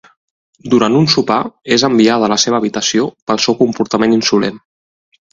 Durant un sopar, és enviada a la seva habitació pel seu comportament insolent.